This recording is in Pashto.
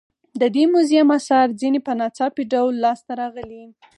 د دې موزیم اثار ځینې په ناڅاپي ډول لاس ته راغلي.